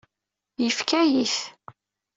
Yefka-yi-t.